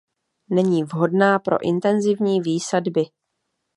Není vhodná pro intenzivní výsadby.